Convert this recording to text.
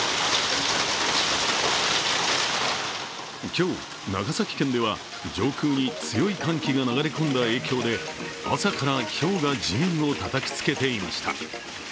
今日、長崎県では上空に強い寒気が流れ込んだ影響で、朝からひょうが地面をたたきつけていました。